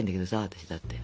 私だって。